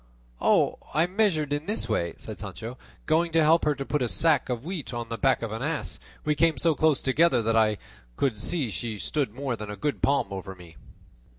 "I measured in this way," said Sancho; "going to help her to put a sack of wheat on the back of an ass, we came so close together that I could see she stood more than a good palm over me."